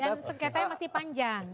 dan sekitarnya masih panjang